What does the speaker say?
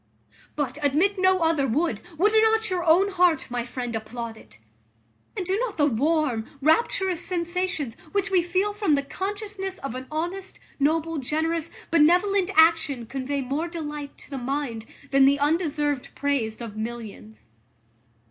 But, admit no other would, would not your own heart, my friend, applaud it? And do not the warm, rapturous sensations, which we feel from the consciousness of an honest, noble, generous, benevolent action, convey more delight to the mind than the undeserved praise of millions?